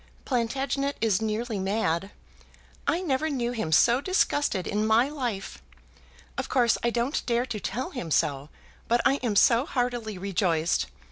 Plantagenet is nearly mad. I never knew him so disgusted in my life. Of course I don't dare to tell him so, but I am so heartily rejoiced.